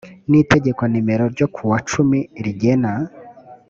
n itegeko nimero ryo kuwa cumi rigena